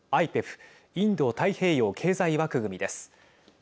ＩＰＥＦ＝インド太平洋経済枠組みです。